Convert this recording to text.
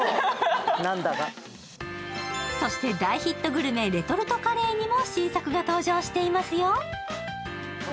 そして、大ヒットグルメ、レトルトカレーにも新作が登場していますよ。